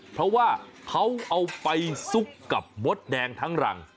เพราะว่าเขาเอาไปซุกกับมดแดงทั้งรัง